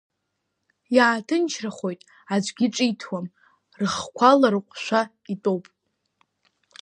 Иааҭынчрахоит, аӡәгьы ҿиҭуам, рыхқәа ларҟәшәа итәоуп.